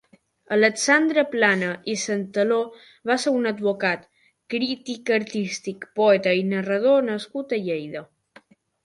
Alexandre Plana i Santaló va ser un advocat, crític artístic, poeta i narrador nascut a Lleida.